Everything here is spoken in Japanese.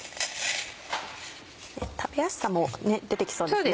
食べやすさも出てきそうですね。